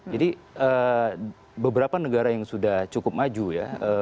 beberapa negara yang sudah cukup maju ya